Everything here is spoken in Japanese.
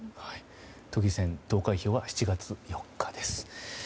都議選、投開票は７月４日です。